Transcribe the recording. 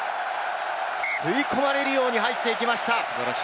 吸い込まれるように入っていきました。